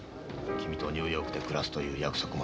君とニューヨークで暮らすという約束もしてない。